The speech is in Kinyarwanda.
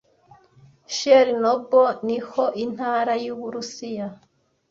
Chernoble niho intara yUburusiya